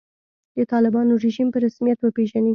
د طالبانو رژیم په رسمیت وپېژني.